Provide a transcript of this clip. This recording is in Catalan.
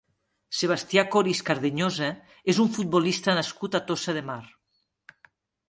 Sebastià Coris Cardeñosa és un futbolista nascut a Tossa de Mar.